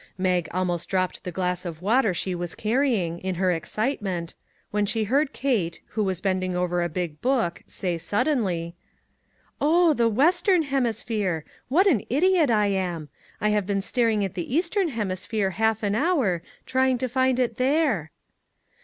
Mag almost dropped the glass of water she was carrying, in her excitement, when she heard Kate, who was bending over a big book, say suddenly: "Oh, the Western Hemisphere! What an idiot I am ! I have been staring at the Eastern Hemisphere half an hour, trying to find it there."